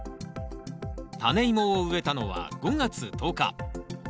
タネイモを植えたのは５月１０日。